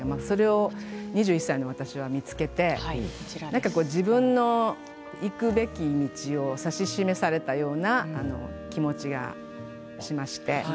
それを２１歳の私は見つけて自分の行くべき道を差し示されたような気持ちがしました。